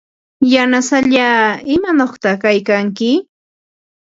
Yanasallaa, ¿imanawta kaykanki?